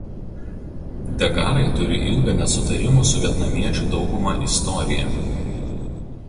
Degarai turi ilgą nesutarimų su vietnamiečių dauguma istoriją.